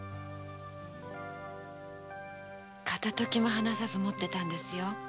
片ときも離さず持っていたんですよ。